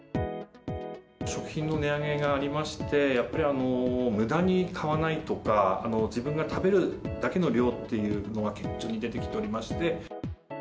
食品の値上げがありまして、やっぱりむだに買わないとか、自分が食べるだけの量っていうのが、顕著に出てきておりまして。